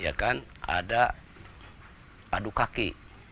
ada aduk kaki